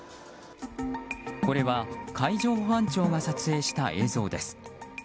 これは、海上保安庁が撮影した映像です。